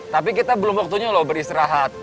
tapi kita belum waktunya loh beristirahat